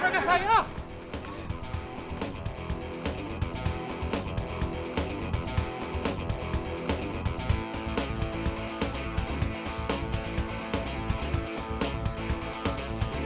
jadi jadi siapa yang nyuruh sepeda